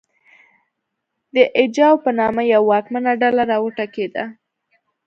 د اجاو په نامه یوه واکمنه ډله راوټوکېده